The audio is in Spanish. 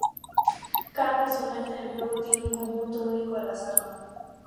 Cada personaje en el juego tiene un conjunto único de las armas.